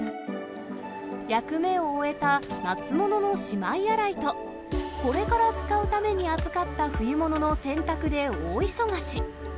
役目を終えた夏物のしまい洗いと、これから使うために預かった冬物の洗濯で大忙し。